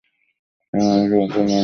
এবং আমি তোমাকে মনোনীত করেছি।